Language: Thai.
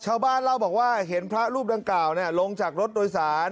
ชาวบ้านเล่าบอกว่าเห็นพระรูปดังกล่าวลงจากรถโดยสาร